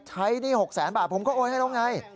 หนี้๖แสนบาทผมก็โอนให้แล้วไง